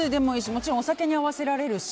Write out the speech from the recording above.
もちろんお酒に合わせられるし。